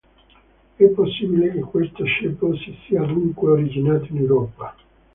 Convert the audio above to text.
È possibile che questo ceppo si sia dunque originato in Europa.